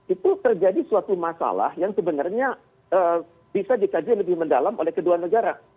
itu terjadi suatu masalah yang sebenarnya bisa dikaji lebih mendalam oleh kedua negara